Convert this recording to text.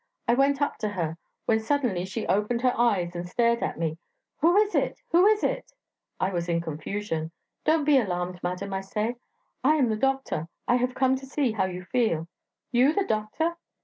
I went up to her ... when suddenly she opened her eyes and stared at me! 'Who is it? who is it?' I was in confusion. 'Don't be alarmed, madam,' I say; 'I am the doctor; I have come to see how you feel.' 'You the doctor?'